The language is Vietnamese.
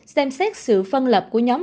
xem xét sự phân lập của nhóm